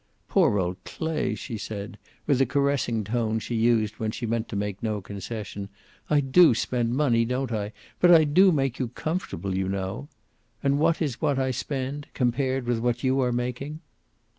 "Poor old Clay," she said, with the caressing tone she used when she meant to make no concession. "I do spend money, don't I? But I do make you comfortable, you know. And what is what I spend, compared with what you are making?"